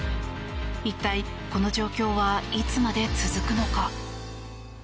一体、この状況はいつまで続くのか。